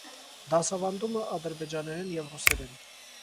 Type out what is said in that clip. Դասավանդումը՝ ադրբեջաներեն և ռուսերեն։